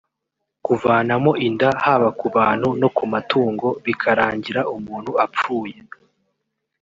kuvanamo inda haba ku bantu no ku matungo bikarangira umuntu apfuye